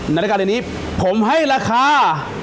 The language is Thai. ในรายการในนี้ผมให้ราคา